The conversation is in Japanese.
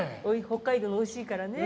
北海道おいしいからね。